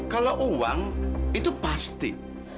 kalau uang itu pasti